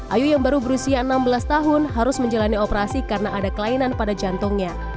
ayu yang baru berusia enam belas tahun harus menjalani operasi karena ada kelainan pada jantungnya